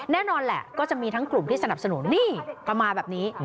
แน่นอนแหละก็จะมีทั้งกลุ่มที่สนับสนุนนี่ก็มาแบบนี้